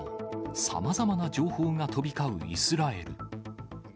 さまざまな情報が飛び交うイスラエル。